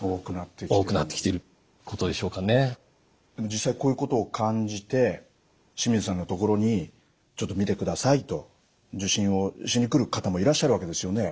実際こういうことを感じて清水さんのところにちょっと診てくださいと受診をしに来る方もいらっしゃるわけですよね。